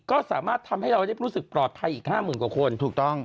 ก็สามารถทำให้เราได้รู้สึกปลอดภัยอีก๕๐๐๐กว่าคนถูกต้อง